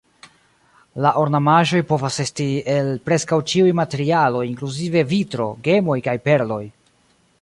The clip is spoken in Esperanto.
La ornamaĵoj povas esti el preskaŭ ĉiuj materialoj inkluzive vitro, gemoj kaj perloj.